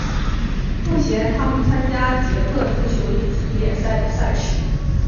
目前他们参加捷克足球乙级联赛的赛事。